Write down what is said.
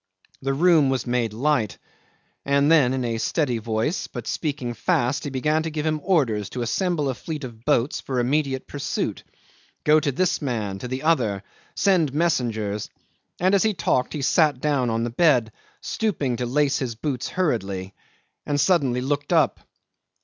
The room was made light; and then in a steady voice, but speaking fast, he began to give him orders to assemble a fleet of boats for immediate pursuit, go to this man, to the other send messengers; and as he talked he sat down on the bed, stooping to lace his boots hurriedly, and suddenly looked up.